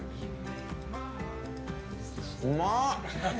うまっ！